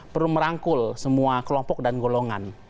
perlu merangkul semua kelompok dan golongan